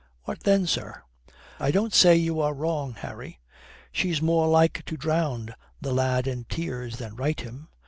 What then, sir?" "I don't say you are wrong, Harry. She's more like to drown the lad in tears than right him.